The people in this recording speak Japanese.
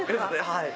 はい。